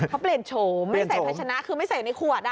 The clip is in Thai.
เขาเปลี่ยนโฉมไม่ใส่พัชนะคือไม่ใส่ในขวด